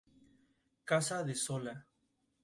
Casa de Sola.